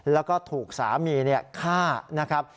แล้วก็ถูกสามีฆ่านะครับ